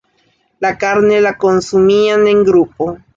La carne la consumían en grupo.